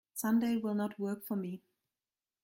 Sunday will not work for me.